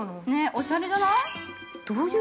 ◆おしゃれじゃない？